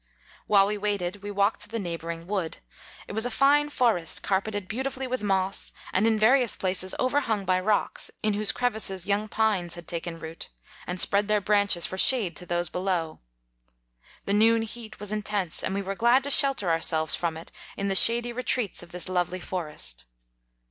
While he waited we walked to the neighbouring wood : it was a fine fo rest, carpeted beautifully with moss, and in various places overhung by rocks, in whose crevices young pines 36 had taken root, and spread their branches for shade to those below ; the noon heat was intense, and we were glad to shelter ourselves from it in the shady retreats of this lovely forest.